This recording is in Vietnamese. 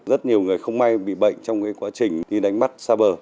rất nhiều người không may bị bệnh trong quá trình đi đánh mắt xa bờ